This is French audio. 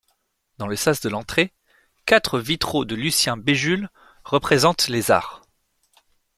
Dans le sas de l'entrée, quatre vitraux de Lucien Bégule représentent les arts.